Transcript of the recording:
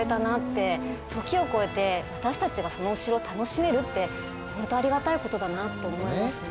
時を超えて私たちがそのお城を楽しめるってほんとありがたいことだなと思いますね。